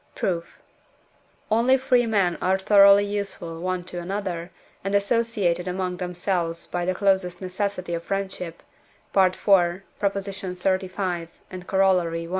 Proof. Only free men are thoroughly useful one to another, and associated among themselves by the closest necessity of friendship (IV. xxxv., and Coroll. i.)